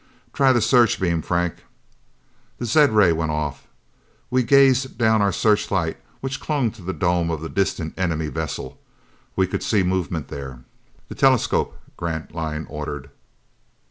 "Try the searchbeam, Franck." The zed ray went off. We gazed down our searchlight which clung to the dome of the distant enemy vessel. We could see movement there. "The telescope," Grantline ordered.